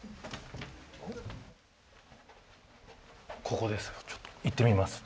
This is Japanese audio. ここです。